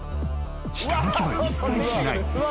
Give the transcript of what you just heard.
［下書きは一切しない］